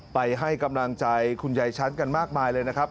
ไปให้กำลังใจคุณยายชั้นกันมากมายเลยนะครับ